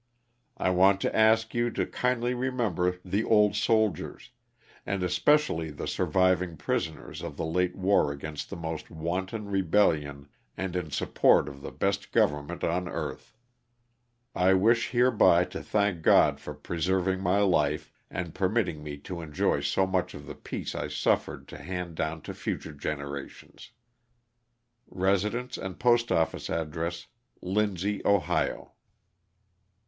I want to ask you to kindly remember the old soldiers, and especially the surviving prison ers of the late war against the most wanton rebellion and in support of the best government on earth. I wish hereby to thank God for preserving my life and per mitting me to enjoy so much of the peace I suffered to hand down to future generations. Residence and postoffice address, Lindsey, Ohio.